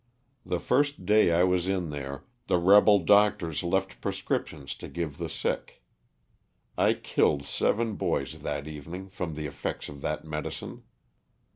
The first day I was in there the rebel doctors left prescriptions to give the sick. I killed seven boys that evening from the effects of that medicine.